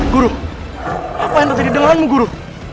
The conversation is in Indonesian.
guru apa yang terjadi dengan guru